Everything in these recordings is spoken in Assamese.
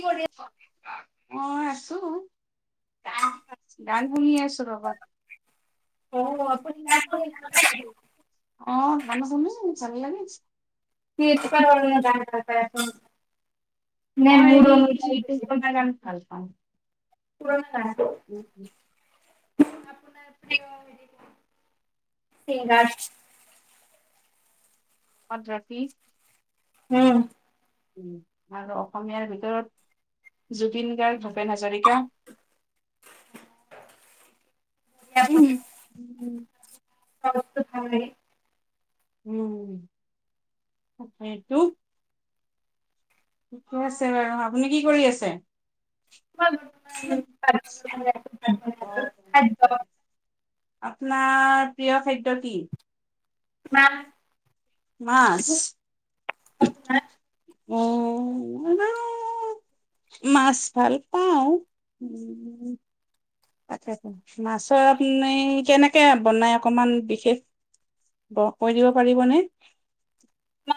কি কৰিছ অ আছো গান শুনি আছো ৰবা অ গান শুনো চানি লাগিছ [unintelligible] মই ই গান ভাল পাওঁ [unintelligible] [unintelligible] [unintelligible] [unintelligible] হোৱাত হেপি উম আৰু অসমীয়াৰ ভিতৰত জুবিন গাৰ্গ ভূপেন হাজৰিকা উম সমস্ত ভালে উম এইটো ঠিকে আছে বাৰু আপুনি কি কৰি আছে [unintelligible] অ একদম আপোনাৰ প্ৰিয় খাদ্য কি পঠ মাছ ক উ মাছ ভাল পাও উ তাকে মাছৰ আপুনি কেনেকে বনাই অকমান বিশেষ ব কৈ দিব পাৰিবনে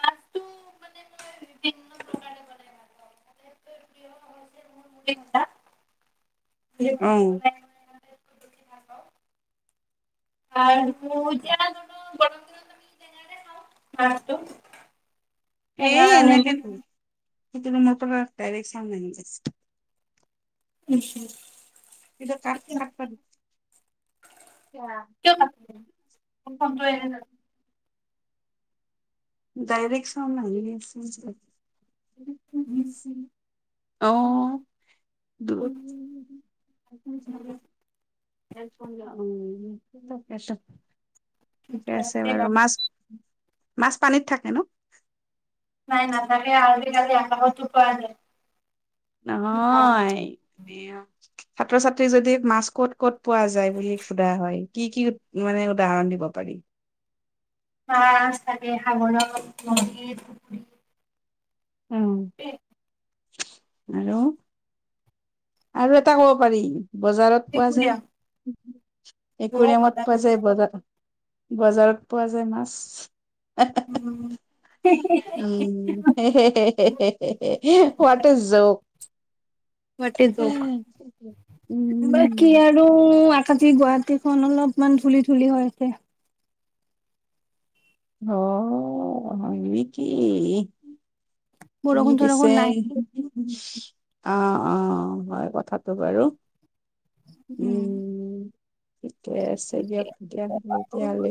মছটো মানে মই বিভিন্ন প্ৰকাৰে বনাই ম এটা উ অ আৰু য ব তি জ এই এনেকে ন সেইটো তো মটৰৰ একটাইৰেক চাম ন আহ গৈছে উ্চা টো ক ডাইৰেক্ট চন লাগ সম প চৰুপ ৰিচি অ ফানস [unintelligible] কে আছে বাৰু মাছ মাছ ক ন নাই ন তাকে আলধ কালি আ তুপ আ যায় ন এয়া ছাত্ৰ ছাত্ৰী যদি মাছ ক'ত ক'ত পোৱা যায় বুলি সোধা হয় কি কি মানে উদাহৰণ দিব পাৰি মছ তাকে সাগৰ নদীৰ পুখুৰী উ আৰু আৰু এটা কব পাৰি বজাৰত পোৱা যায় ত্ৰিপুৰীয়া একুৱেৰিয়ামত পোৱা যায় বজাৰত বজাৰত পোৱা যায় মাছ উম উ হোৱাট ইজ জক য বাকি উম আৰু আকাতি গুৱাহাটীখন অলপমান ধূুলি ধুলি হৈ আছে অ এই কি তুমি বৰষুণ পিছে চৰষুণ নাই [inaudible] অ', অ', হয়। থাতো বাৰু। উম। ঠিকে আছে দিয়ক দিয়া তিয়ালী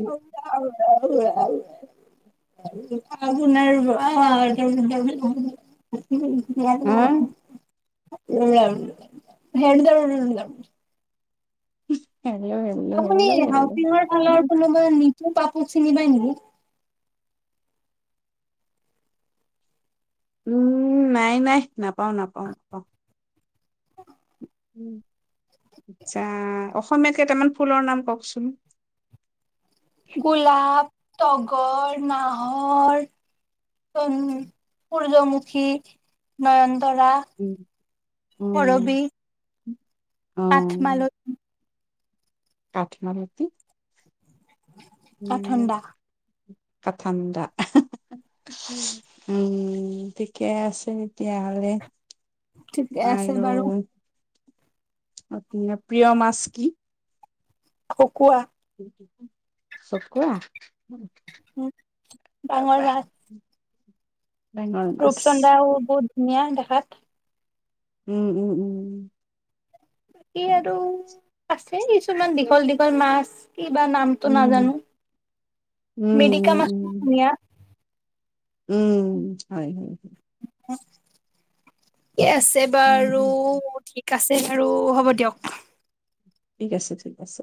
আৰু [inaudible] [unintelligible] হা? [unintelligible] [unintelligible] উম। আপুনি হাউচিঙৰ ফালৰ কোনোবা নি ত পাপু চিনি পাই নেকি? উম, নাই, নাই নাপাওঁ, নাপাওঁ, নাপাওঁ। আচ্ছা, অসমীয়া কেইটামান ফুলৰ নাম কওঁকচোন। গুলাপ তগৰ, নাহৰ উম, সূৰ্যমুখী, নয়ন তৰা, উম, উম, কৰৱী। আঠ মালত আঠ ন' ৰাতি। অ', ঠাণ্ডা। ক' ঠাণ্ডা উম, ঠিকে আছে তেতিয়াহ'লে। ঠিক আছে আৰু বাৰু। আপোনাৰ প্ৰিয় মাছ কি? খুকুৱা চকুৱা উম, বাহ ডাঙৰ বাহ মাছ ডাঙৰ মাছ। ৰূপচন্দা হ'ব। ধুনীয়া দেখাত। উম, উম, উম, উম। সি আৰু আছে কিছুমান দীঘল, দীঘল মাছ। কি বা নামটো উম, নাজানো উম, মেডিকা মাছটো উম, ধুনীয়া। উম, হয়, হয়। অ'। িকে আছে বাৰু উম, ঠিক আছে আৰু হ'ব দিয়ক ঠিক আছে ঠিক আছে